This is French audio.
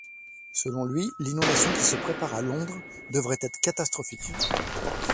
Selon lui, l'inondation qui se prépare à Londres devrait être catastrophique.